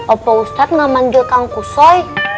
opa ustadz gak manjil kang kusoy